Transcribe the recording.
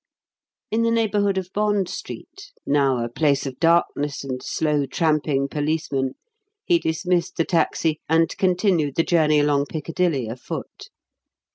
In the neighbourhood of Bond Street now a place of darkness and slow tramping policemen he dismissed the taxi and continued the journey along Piccadilly afoot.